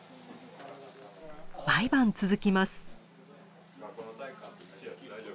毎晩続きます。